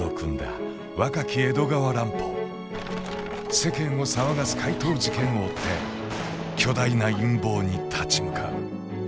世間を騒がす怪盗事件を追って巨大な陰謀に立ち向かう。